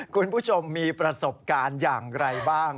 คุณผู้ชมมีประสบการณ์อย่างไรบ้าง